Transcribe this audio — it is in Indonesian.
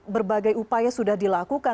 berbagai upaya sudah dilakukan